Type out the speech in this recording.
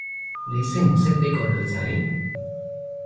你識唔識呢個女仔？